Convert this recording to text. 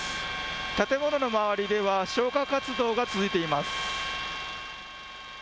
建物の周りでは消火活動が続いています。